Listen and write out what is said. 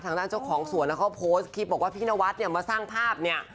เจ้าของสวนเขาโพสต์คลิปบอกว่าพี่นวัดเนี่ยมาสร้างภาพเนี่ย